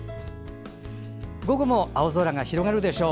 午後も青空が広がるでしょう。